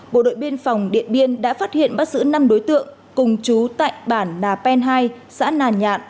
bộ đội biên phòng điện biên đã phát hiện bắt giữ năm đối tượng cùng chú tại bản nà pen hai xã nà nhạn